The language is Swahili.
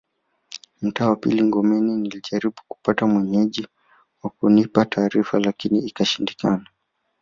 Mtaa wa pili Ngomeni nilijaribu kupata Mwenyeji wa kunipa taarifa lakini ikashindikana